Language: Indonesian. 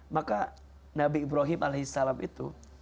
maka nabi ibrahim alaihissalam itu